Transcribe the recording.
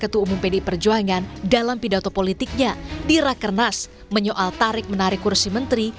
ketua umum pdi perjuangan dalam pidato politiknya di rakernas menyoal tarik menarik kursi menteri